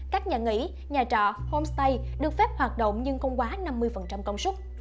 các nhà nghỉ nhà trọ homestay được phép hoạt động nhưng không quá năm mươi công suất